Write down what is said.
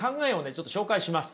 ちょっと紹介します。